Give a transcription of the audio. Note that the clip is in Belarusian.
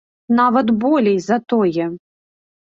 Нават болей за тое.